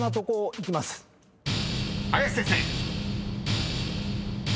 ［林先生］